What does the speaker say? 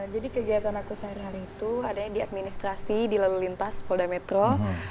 jadi kegiatan aku sehari hari itu adanya di administrasi di lalu lintas polda metro